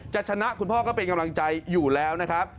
จะชนะคุณพ่อก็เป็นกำลังใจอยู่แล้วนะครับ